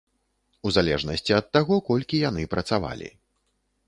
У залежнасці ад таго, колькі яны працавалі.